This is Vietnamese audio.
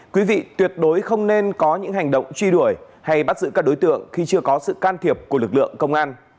quý vị tuyệt đối không nên có những hành động truy đuổi hay bắt giữ các đối tượng khi chưa có sự can thiệp của lực lượng công an